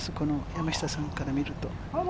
山下さんから見ると。